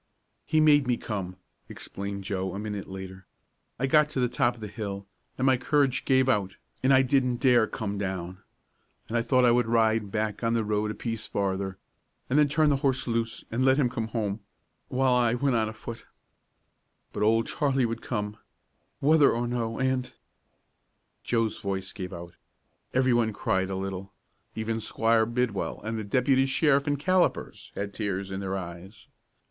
"He made me come," explained Joe, a minute later. "I got to the top of the hill, and my courage gave out, and I didn't dare come down, and I thought I would ride back on the road a piece farther, and then turn the horse loose and let him come home, while I went on afoot; but Old Charlie would come, whether or no, and " Joe's voice gave out. Every one cried a little. Even Squire Bidwell and the deputy sheriff and Callipers had tears in their eyes.